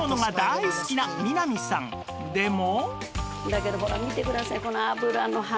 でも